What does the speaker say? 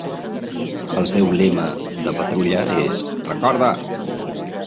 El seu lema de patrulla és "Recorda!".